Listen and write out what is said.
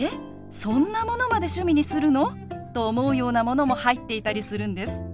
そんなものまで趣味にするの？」と思うようなものも入っていたりするんです。